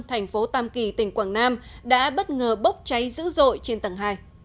thành phố tam kỳ tỉnh quảng nam đã bất ngờ bốc cháy dữ dội trên tầng hai